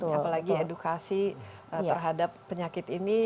apalagi edukasi terhadap penyakit ini